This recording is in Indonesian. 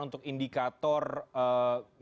kegagalan di indonesia